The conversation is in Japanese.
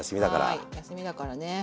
はい休みだからね